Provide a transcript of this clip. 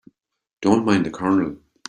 Don't mind the Colonel.